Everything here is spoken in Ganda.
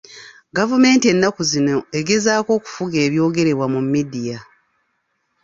Gavumenti ennaku zino egezaako okufuga eby'ogerebwa mu midiya.